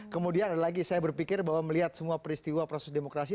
kemudian ada lagi saya berpikir bahwa melihat semua peristiwa proses demokrasi